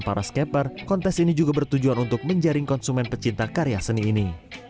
para skaper kontes ini juga bertujuan untuk menjaring konsumen pecinta karya seni ini